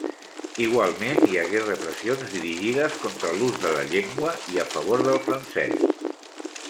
Igualment hi hagué repressions dirigides contra l'ús de la llengua i a favor del francès.